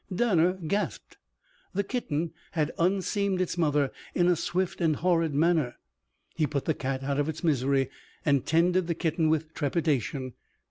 Danner gasped. The kitten had unseamed its mother in a swift and horrid manner. He put the cat out of its misery and tended the kitten with trepidation.